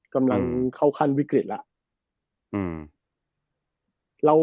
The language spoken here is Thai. กำลังเข้าขั้นวิกฤตแล้ว